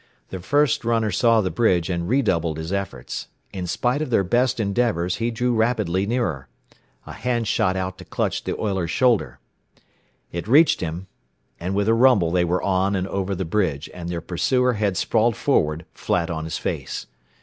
The first runner saw the bridge, and redoubled his efforts. In spite of their best endeavors, he drew rapidly nearer. A hand shot out to clutch the oiler's shoulder. It reached him and with a rumble they were on and over the bridge, and their pursuer had sprawled forward flat on his face.